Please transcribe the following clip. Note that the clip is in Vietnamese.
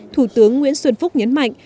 thủ tướng nguyễn xuân phúc nhấn mạnh